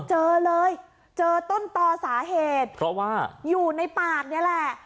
เจอเลยเจอต้นต่อสาเหตุเพราะว่าอยู่ในปากนี่แหละ